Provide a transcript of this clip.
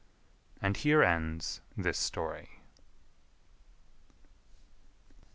And here ends this story.